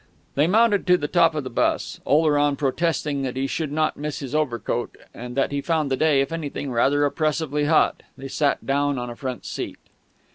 They mounted to the top of the bus, Oleron protesting that he should not miss his overcoat, and that he found the day, if anything, rather oppressively hot. They sat down on a front seat.